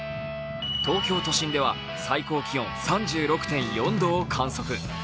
東京都心では最高気温３６．４度を観測。